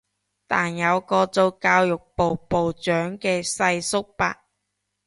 但有個做教育部部長嘅世叔伯